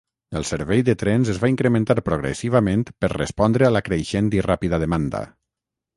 El servei de trens es va incrementar progressivament per respondre a la creixent i ràpida demanda.